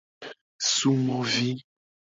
Sumovi.